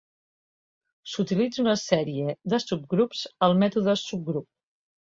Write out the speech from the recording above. S'utilitza una sèrie de subgrups al mètode subgrup.